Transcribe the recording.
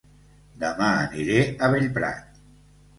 Dema aniré a Bellprat